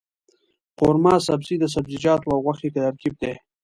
قورمه سبزي د سبزيجاتو او غوښې ترکیب دی.